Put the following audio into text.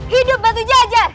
hidup batu jajar